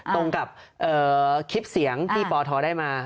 ตรงกับคลิปเสียงที่ปทได้มา